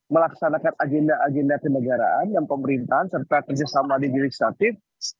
melaksanakan agenda agenda tindagaraan yang pemerintahan serta kerjasama di diri statif